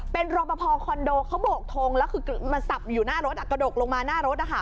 เป็นรอปภคอนโดเขาโบกทงแล้วคือมาสับอยู่หน้ารถกระดกลงมาหน้ารถ